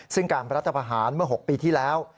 ซึ่งการรัฐพาหารเมื่อ๖ปีที่แล้ว